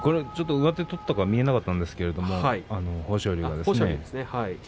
上手を取ったのが見えなかったんですが、豊昇龍が。